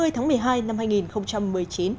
hai mươi tháng một mươi hai năm hai nghìn một mươi chín